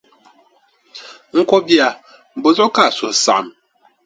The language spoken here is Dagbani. N ko bia, bɔ zuɣu ka a suhu saɣim?